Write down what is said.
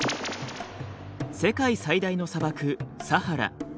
世界最大の砂漠サハラ。